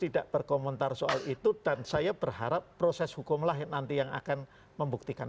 tidak berkomentar soal itu dan saya berharap proses hukumlah yang nanti yang akan membuktikan